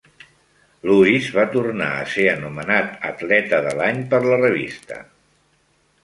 Lewis va tornar a ser anomenat Atleta de l"any per la revista.